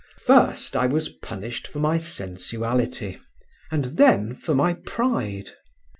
First was I punished for my sensuality, and then for my pride.